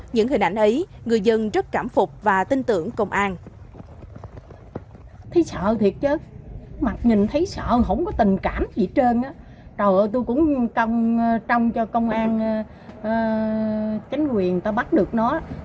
những hình ảnh ấy người dân rất cảm phục và tin tưởng công an